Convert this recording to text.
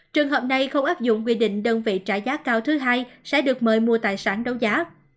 trường hợp này không áp dụng quy định đơn vị trả giá cao thứ hai sẽ được mời mua tài sản đấu giá